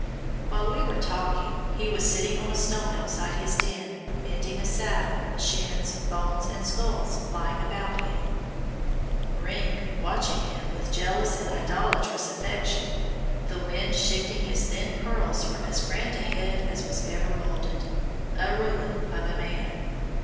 While we were talking he was sitting on a stone outside his den mending a saddle, shins, bones, and skulls lying about him, "Ring" watching him with jealous and idolatrous affection, the wind lifting his thin curls from as grand a head as was ever modeled a ruin of a man.